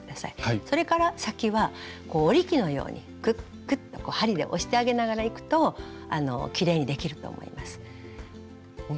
それから先は織り機のようにクックッと針で押してあげながらいくときれいにできると思います。